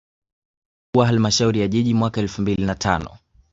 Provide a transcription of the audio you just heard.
Na kuwa Halmashauri ya Jiji mwaka elfu mbili na tano